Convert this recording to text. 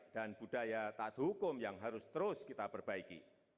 dan budaya taat hukum yang harus terus kita perbaiki